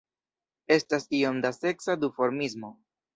Estas iom da seksa duformismo.